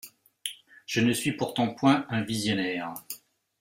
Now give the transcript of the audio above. Je ne suis pourtant point un visionnaire.